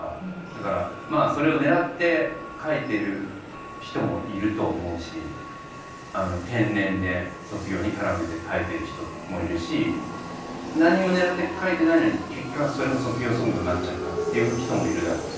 だからそれを狙って書いてる人もいると思うし天然で卒業に絡めて書いてる人もいるし何にも狙って書いてないのに結果それが卒業ソングになっちゃったっていう人もいるだろうし。